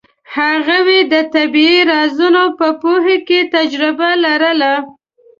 هغوی د طبیعي رازونو په پوهه کې تجربه لرله.